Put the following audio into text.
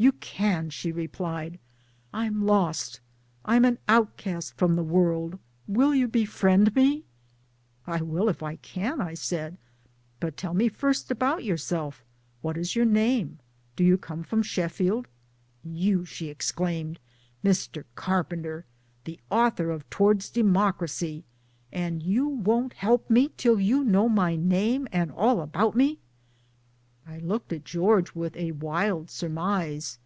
'" You can," she replied, " I'm lost, I'm an outcast from the world, will you befriend me? "" I will if I can," I said, " but tell me first about yourself what is your name?, do you come from Sheffield? "" You," she exclaimed, f< Mr. Carpenter, the author of Towards Democracy and you won't help me, till you know my name and all about me 1 " MILLTHORPIANA 175 j I looked at George with a wild surmise.